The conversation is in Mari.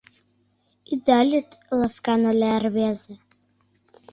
— Ида лӱд, — ласкан ойла рвезе.